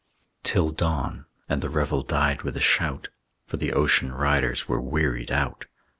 Till dawn, and the revel died with a shout, For the ocean riders were wearied out.